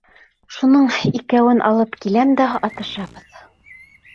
Шуның икәүһен алып киләм дә атышабыҙ!